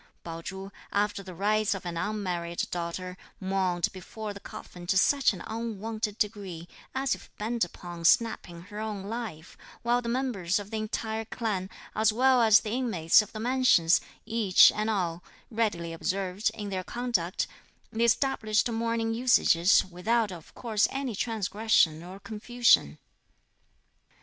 Pao Chu, after the rites of an unmarried daughter, mourned before the coffin to such an unwonted degree, as if bent upon snapping her own life; while the members of the entire clan, as well as the inmates of the Mansions, each and all, readily observed, in their conduct, the established mourning usages, without of course any transgression or confusion.